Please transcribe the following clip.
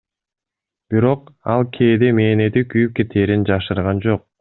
Бирок, ал кээде мээнети күйүп кетээрин жашырган жок.